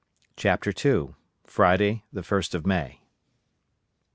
CHAPTER II. FRIDAY, THE FIRST OF MAY.